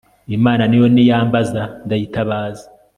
imana ni yo niyambaza, ndayitabaza